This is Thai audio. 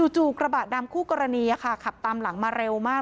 จู่กระบะดำคู่กรณีขับตามหลังมาเร็วมาก